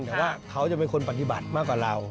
แต่ว่าเขาจะเป็นคนปฏิบัติมากกว่าเรา